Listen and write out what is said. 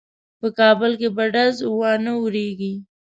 په کابل کې به ډز وانه وریږي.